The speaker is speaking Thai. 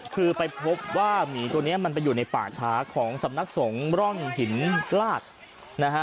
คือไปพบว่าหมีตัวนี้มันไปอยู่ในป่าช้าของสำนักสงฆ์ร่องหินลาดนะฮะ